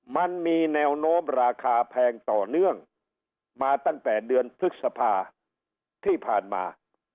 มันมีแนวโน้มราคาแพงต่อเนื่องมาตั้งแต่เดือนพฤษภาที่ผ่านมา